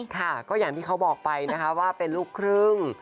ค่ะก็อย่างที่เขาบอกไปนะคะว่าเป็นลูกครึ่ง